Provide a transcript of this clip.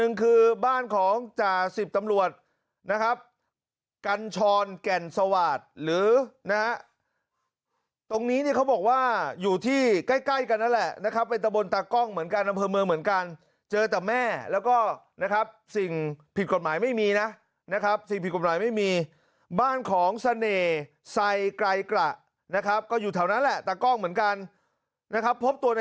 หนึ่งคือบ้านของจ่าสิบตำรวจนะครับกัญชรแก่นสวาสตร์หรือนะฮะตรงนี้เนี่ยเขาบอกว่าอยู่ที่ใกล้ใกล้กันนั่นแหละนะครับเป็นตะบนตากล้องเหมือนกันอำเภอเมืองเหมือนกันเจอแต่แม่แล้วก็นะครับสิ่งผิดกฎหมายไม่มีนะนะครับสิ่งผิดกฎหมายไม่มีบ้านของเสน่ห์ไซไกรกระนะครับก็อยู่แถวนั้นแหละตากล้องเหมือนกันนะครับพบตัวใน